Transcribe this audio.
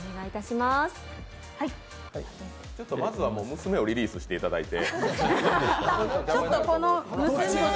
まずは娘をリリースしていただいて。